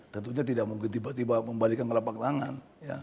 tentunya tidak mungkin tiba tiba membalikkan kelapa ke tangan